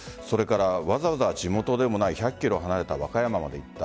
わざわざ地元でもない１００ｋｍ離れた和歌山まで行った。